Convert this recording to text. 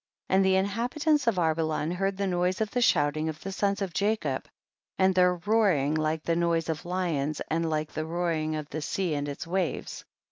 7. And the inhabitants of Arbelan heard the noise of the shouting of the sons of Jacob, and their roaring like THE BOOK OF JASHER. 117 the noise of lions and like the roaring of the sea and its waves.